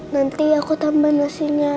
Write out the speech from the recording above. nanti aku tambah nasinya